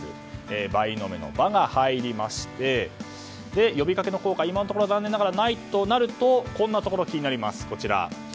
倍の値の「バ」が入りまして呼びかけの効果、今のところは残念ながらないとなるとこんなところが気になります。